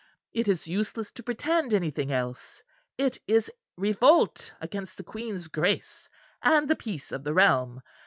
It is useless to pretend anything else. It is revolt against the Queen's Grace and the peace of the realm.